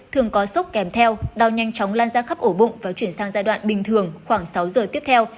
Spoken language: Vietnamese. thường có sốc kèm theo đau nhanh chóng lan ra khắp ổ bụng và chuyển sang giai đoạn bình thường khoảng sáu giờ tiếp theo